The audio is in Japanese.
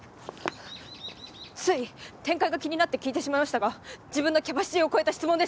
つい展開が気になって聞いてしまいましたが自分のキャパシティーを超えた質問でした。